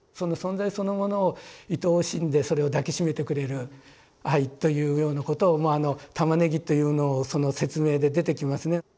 存在そのものをいとおしんでそれを抱きしめてくれる愛というようなことを玉ねぎというのをその説明で出てきますね。